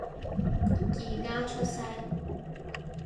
而家出聲